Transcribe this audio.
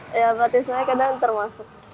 ya melatih latih saya kadang termasuk